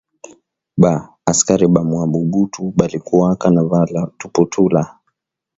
Ba askari ba mwa mobutu balikuwaka na vala tuputula